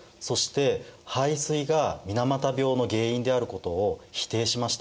そして廃水が水俣病の原因であることを否定しました。